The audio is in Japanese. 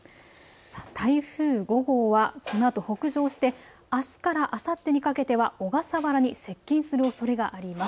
台風５号は、このあと北上してあすからあさってにかけては小笠原に接近するおそれがあります。